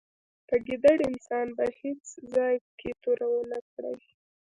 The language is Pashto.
په ګیدړ انسان به په هېڅ ځای کې توره و نه کړې.